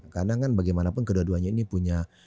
karena kan bagaimanapun kedua duanya ini punya